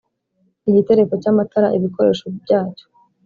igitereko cy amatara ibikoresho byacyo